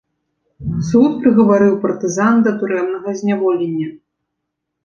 Суд прыгаварыў партызан да турэмнага зняволення.